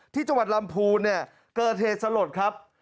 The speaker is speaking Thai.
ที่จังหวัดลำพูนเนี่ยเกิดเหตุสลดครับ